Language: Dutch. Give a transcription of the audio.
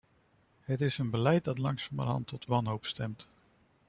Het is een beleid dat langzamerhand tot wanhoop stemt.